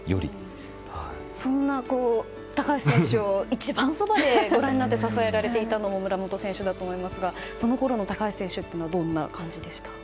そんな高橋選手を一番そばでご覧になって支えられていたのも村元選手だと思いますがそのころの高橋選手はどんな感じでしたか。